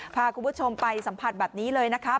พาคุณผู้ชมไปสัมผัสแบบนี้เลยนะคะ